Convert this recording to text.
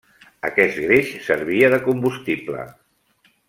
Aquest greix servia de combustible.